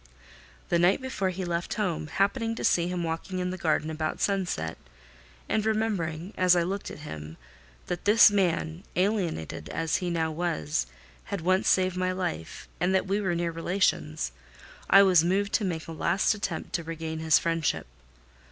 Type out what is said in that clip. The night before he left home, happening to see him walking in the garden about sunset, and remembering, as I looked at him, that this man, alienated as he now was, had once saved my life, and that we were near relations, I was moved to make a last attempt to regain his friendship.